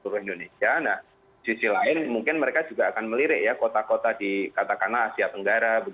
nah sisi lain mungkin mereka juga akan melirik ya kota kota di katakanlah asia tenggara